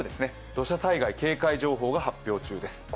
土砂災害警戒情報が発表中です。